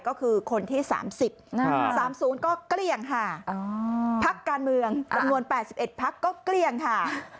ก็คือคนที่๓๐๓๐ก็เกลี้ยงค่ะพักการเมืองจำนวน๘๑พักก็เกลี้ยงค่ะ